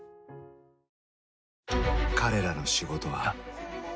［彼らの仕事は］